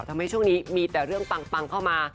ทำให้ช่วงนี้มีแต่เรื่องปังเข้ามา